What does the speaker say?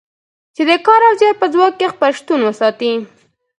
چې د کار او زیار په ځواک خپل شتون وساتي.